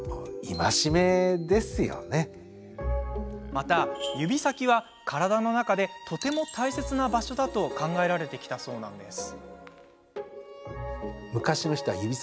また、指先は体の中でもとても大切な場所だと考えられてきたそうなんです。